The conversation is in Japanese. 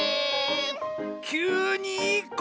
きゅうにいいこ！